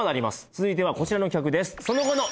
続いてはこちらの企画です